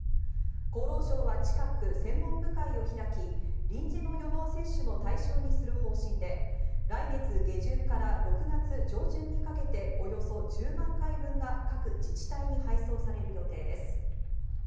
厚労省は近く専門部会を開き、臨時の予防接種の対象にする方針で、来月下旬から６月上旬にかけておよそ１０万回分が各自治体に配送される予定です。